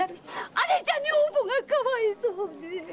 あれじゃ女房がかわいそうでぇ！